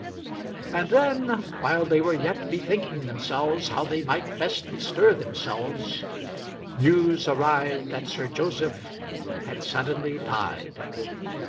And then, while they were yet bethinking themselves how they might best bestir themselves, news arrived that Sir Joseph had suddenly died.